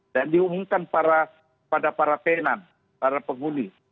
dan diumumkan pada para tenan para penghuni